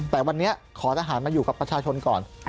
แต่วันนี้ขอทหารมาอยู่กับประชาชนก่อน